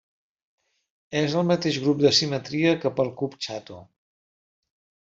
És el mateix grup de simetria que pel cub xato.